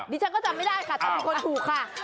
ฉันก็จำไม่ได้ค่ะแต่เป็นคนถูกค่ะ